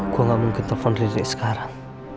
gue enggak mungkin telfon riri sekarang